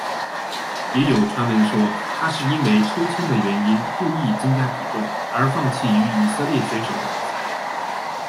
也有传闻说他是因为抽签原因故意增加体重而放弃与以色列选手的比赛。